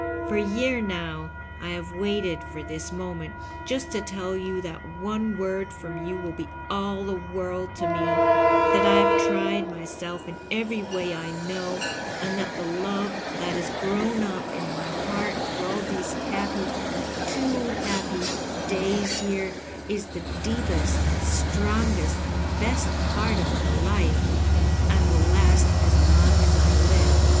For a year now I have waited for this moment — ^just to tell you that one word from you will be all the world to me, that I have tried myself in every way I know, and that the love that has grown up in my Digitized by VjOOQIC LOVE AND LWHTNINO. 215 heart through all these happy — too happy — days here is the deepest and strongest and best part of my life, and ■will last as long as I live.